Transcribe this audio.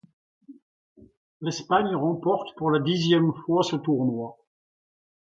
L'Espagne remporte pour la dixième fois ce tournoi.